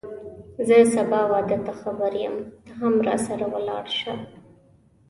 زه سبا واده ته خبر یم ته هم راسره ولاړ شه